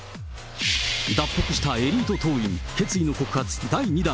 脱北したエリート党員、決意の告発第２弾。